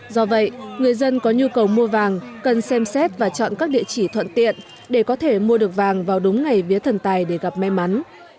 do vậy người dân có nhu cầu mua vàng cần xem xét và chọn các địa chỉ thuận tiện để có thể mua được vàng vào đúng ngày vía thần tài để gặp may mắn